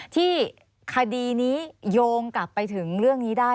ที่คดีนี้โยงกลับไปถึงเรื่องนี้ได้